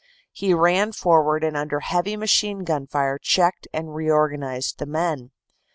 He ran forward and under heavy machine gun fire checked and reorganized the men.